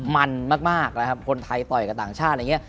มันมากนะครับคนไทยต่ออีกกับต่างชาติ